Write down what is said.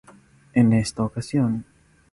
En esta ocasión.